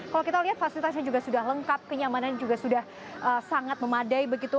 kalau kita lihat fasilitasnya juga sudah lengkap kenyamanan juga sudah sangat memadai begitu